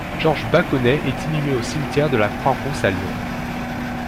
Georges Baconnet est inhumé au cimetière de la Croix-Rousse à Lyon.